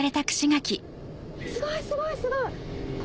すごいすごいすごい。